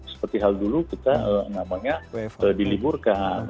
seperti hal dulu kita namanya diliburkan